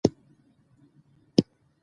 زه د ښو اخلاقو ارزښت پېژنم.